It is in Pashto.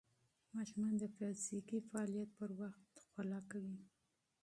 ماشومان د فزیکي فعالیت پر وخت خوله کوي.